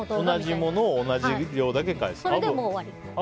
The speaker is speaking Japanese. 同じものを同じものだけ返す。